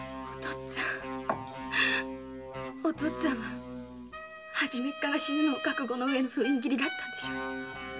っつぁんお父っつぁんは初めから死ぬのを覚悟のうえの封印切りだったんでしょ。